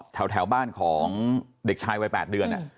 แถวบ้านของเด็กชายวัย๘เดือน